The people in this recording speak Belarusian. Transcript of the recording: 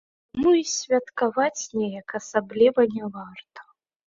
Таму і святкаваць неяк асабліва не варта.